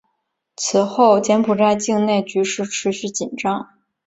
此后柬埔寨境内局势持续紧张。